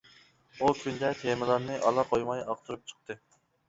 ئۇ كۈندە تېمىلارنى ئالا قويماي ئاقتۇرۇپ چىقتى.